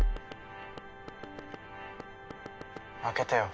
開けてよ。